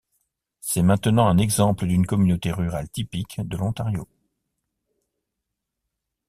C'est maintenant un exemple d'une communauté rurale typique de l'Ontario.